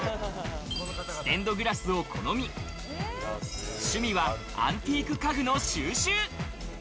ステンドグラスを好み、趣味はアンティーク家具の収集。